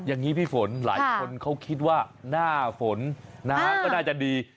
อย่างนี้พี่ฝนหลายคนเขาคิดว่าหน้าฝนน้ำก็น่าจะดี